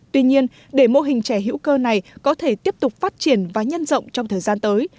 tuy nhiên để mô hình chè hữu cơ này có thể tiếp tục phát triển và nhân rộng trong thời gian tới